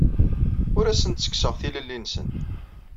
Ur asen-ttekkseɣ tilelli-nsen.